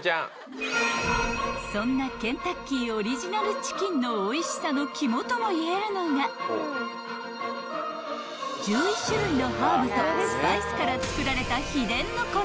［そんなケンタッキーオリジナルチキンのおいしさの肝ともいえるのが１１種類のハーブとスパイスから作られた秘伝の粉］